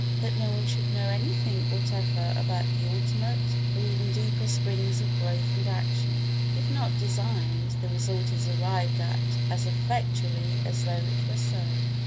that no one should know anything whatever about the ultimate, or even deeper springs of growth and action. If not designed the result is arrived at as effectually as though it were so.